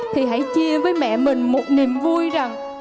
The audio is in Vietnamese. thì hãy chia với mẹ mình một niềm vui rằng